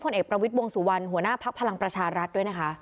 เอกประวิทย์วงสุวรรณหัวหน้าภักดิ์พลังประชารัฐด้วยนะคะ